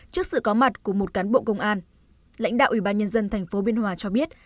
trước sự có mặt của một cán bộ công an lãnh đạo ủy ban nhân dân tp biên hòa cho biết